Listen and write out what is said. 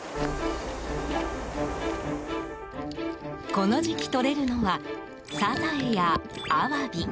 この時期、とれるのはサザエやアワビ。